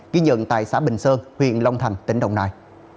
ghi nhận tại xã bình sơn huyện long thành tỉnh đồng nai